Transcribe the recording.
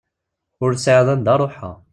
Ur tesɛiḍ anda ruḥeɣ.